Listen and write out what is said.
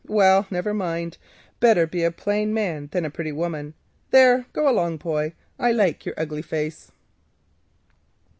Well, never mind, better be a plain man than a pretty woman. There, go along, boy! I like your ugly face."